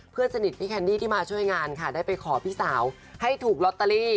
เพื่อนสนิทพี่แคนดี้ที่มาช่วยงานค่ะได้ไปขอพี่สาวให้ถูกลอตเตอรี่